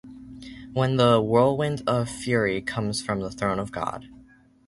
When the whirlwind of fury comes from the Throne of God.